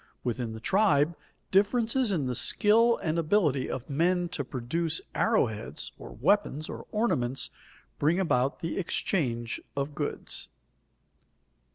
Within the tribe, differences in the skill and ability of men to produce arrow heads or weapons or ornaments, bring about the exchange of goods.